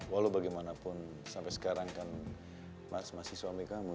walau bagaimanapun sampai sekarang kan masih suami kamu